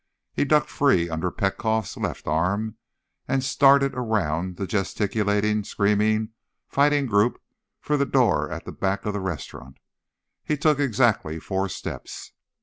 He ducked free under Petkoff's left arm and started around the gesticulating, screaming, fighting group for the door at the back of the restaurant. He took exactly four steps.